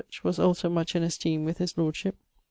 Ch., was also much in esteem with his lordship.